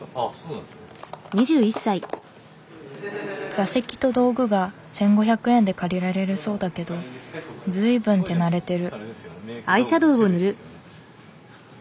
座席と道具が１，５００円で借りられるそうだけど随分手慣れてる。